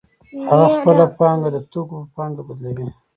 هغه خپله پانګه د توکو په پانګه بدلوي